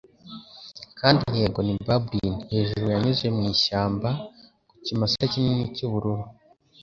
Kandi yego ni bubblin 'hejuruYanyuze mu ishyamba ku kimasa kinini cy'ubururu,